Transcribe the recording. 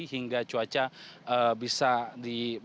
hingga cuaca bisa dikendalikan